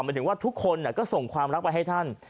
หมายถึงว่าทุกคนก็ส่งความรักไปให้ท่าน